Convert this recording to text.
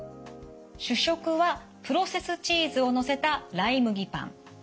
主食はプロセスチーズをのせたライ麦パン。